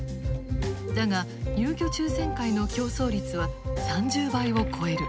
だが入居抽選会の競争率は３０倍を超える。